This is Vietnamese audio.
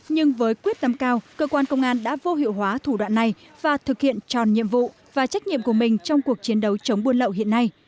nhưng với quyết tâm cao cơ quan công an đã vô hiệu hóa thủ đoạn này và thực hiện tròn nhiệm vụ và trách nhiệm của mình trong cuộc chiến đấu chống buôn lậu hiện nay